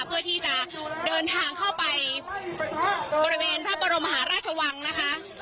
เพื่อที่จะเดินทางเข้าไปบริเวณพระบรมหาราชวังนะคะ